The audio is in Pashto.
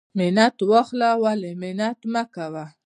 منت واخله ولی منت مکوه.